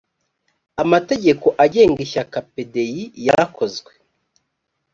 amategeko agenga ishyaka pdi yarakozwe